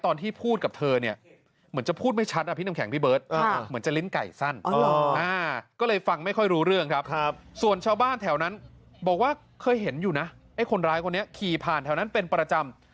โอ๊คบราชบไม่ได้เห็นอยู่คนร้ายคนเนี่ยขี่ผ่านแถวนั้นเป็นประจำ